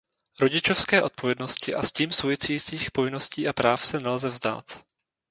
Rodičovské odpovědnosti a s tím souvisejících povinností a práv se nelze vzdát.